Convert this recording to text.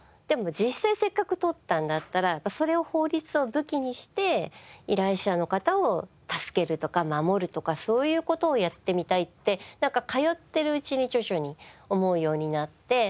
でも実際せっかく取ったんだったらそれを法律を武器にして依頼者の方を助けるとか守るとかそういう事をやってみたいってなんか通ってるうちに徐々に思うようになって。